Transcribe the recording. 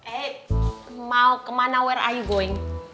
eh mau kemana where are you going